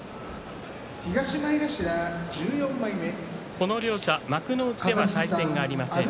この両者幕内では対戦がありません。